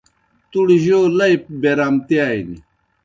تُوْڑ جو لئی بیرامتِیانیْ۔